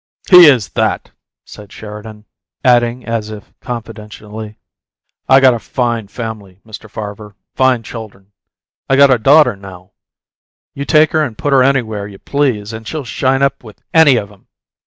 "He is that!" said Sheridan, adding, as if confidentially: "I got a fine family, Mr. Farver fine chuldern. I got a daughter now; you take her and put her anywhere you please, and she'll shine up with ANY of 'em.